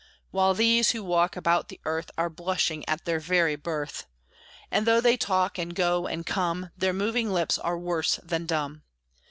While these, who walk about the earth, Are blushing at their very birth! And, though they talk, and go, and come, Their moving lips are worse than dumb.